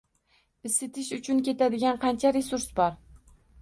Isitish uchun ketadigan qancha resurs bor